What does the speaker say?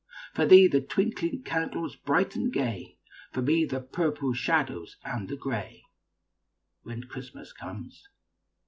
For thee, the twinkling candles bright and gay, For me, the purple shadows and the grey, When Christmas comes.